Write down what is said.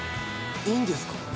いいんですか？